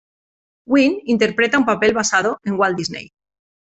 Wynn interpreta un papel basado en Walt Disney.